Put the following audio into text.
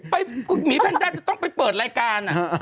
มาดเก้าหมีแพ็นด้าจะต้องไปเปิดรายการ